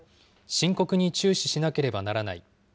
深刻に注視しなければならない。